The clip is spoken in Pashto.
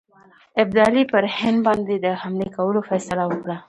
ابدالي پر هند باندي د حملې کولو فیصله وکړه.